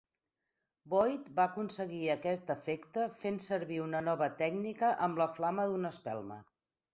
Boyd va aconseguir aquest efecte fent servir una nova tècnica amb la flama d'una espelma.